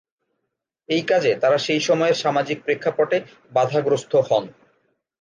এই কাজে তারা সেই সময়ের সামাজিক প্রেক্ষাপটে বাধাগ্রস্থ হন।